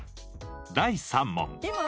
第３問。